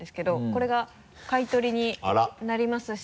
これが買い取りになりますし。